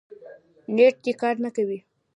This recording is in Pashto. نېټ دې نه کاروي